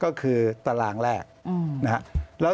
ก็คือตารางแรกและ